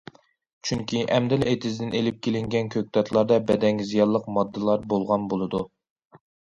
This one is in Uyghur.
چۈنكى ئەمدىلا ئېتىزدىن ئېلىپ كېلىنگەن كۆكتاتلاردا بەدەنگە زىيانلىق ماددىلار بولغان بولىدۇ.